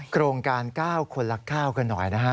โครงการ๙คนละ๙กันหน่อยนะฮะ